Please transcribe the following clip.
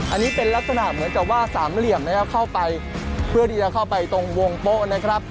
อันนี้เป็นลักษณะเหมือนกับว่าสามเหลี่ยมนะครับเข้าไปเพื่อที่จะเข้าไปตรงวงโป๊ะนะครับ